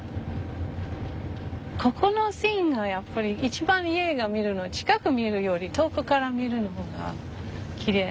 ここのシーンがやっぱり一番家が見るの近く見るより遠くから見る方がきれい。